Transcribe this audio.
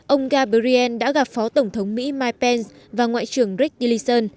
ông gabriel đã gặp phó tổng thống mỹ mike pence và ngoại trưởng rick dillison